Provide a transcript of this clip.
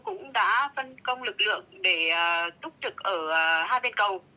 cũng đã phân công lực lượng để túc trực ở hai bên cầu